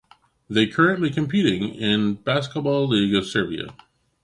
They currently competing in Basketball League of Serbia.